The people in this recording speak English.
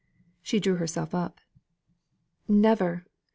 She drew herself up: "Never.